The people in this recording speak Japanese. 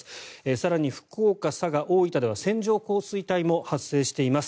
更に、福岡、佐賀、大分では線状降水帯も発生しています。